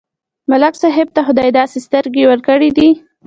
ملک صاحب ته خدای داسې سترګې ورکړې دي،